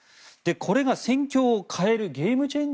これが戦況を変えるゲームチェン